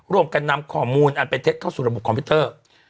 ร่วมกันนำข้อมูลอันเป็นเท็จเข้าสู่ระบบคอมพิวเตอร์